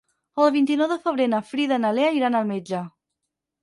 El vint-i-nou de febrer na Frida i na Lea iran al metge.